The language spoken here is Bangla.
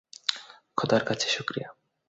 খোদার কাছে শুকরিয়া।